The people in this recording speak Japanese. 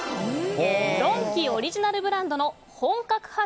ドンキオリジナルブランドの本格派